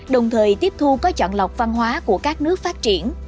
đồng thời tiếp thu có chọn lọc văn hóa của các nước phát triển